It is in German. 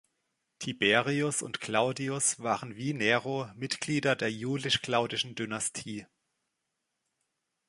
Tiberius und Claudius waren wie Nero Mitglieder der julisch-claudischen Dynastie.